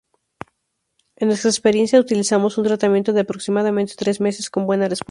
En nuestra experiencia utilizamos un tratamiento de aproximadamente tres meses, con buena respuesta.